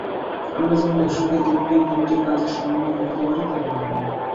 আমরা যেমন একসঙ্গে দু-তিনটি কাজের সমন্বয় ঘটাতে পারি, তারা পারে না।